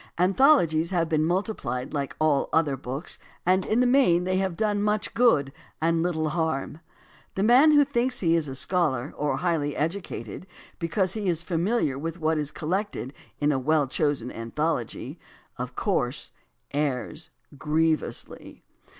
Anthologies have been multiplied like all other books, and in the main they have done much good and little harm. The man who thinks he is a scholar or highly educated because he is familiar with what is collected in a well chosen anthology, of course errs grievously.